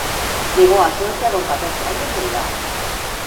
Llegó a Suecia con catorce años de edad.